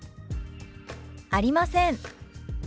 「ありません」。